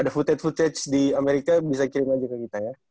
ada footage footage di amerika bisa kirim aja ke kita ya